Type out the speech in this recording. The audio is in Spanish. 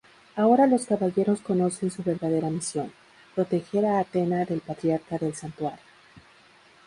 Ahora los Caballeros conocen su verdadera misión: proteger a Athena del Patriarca del Santuario.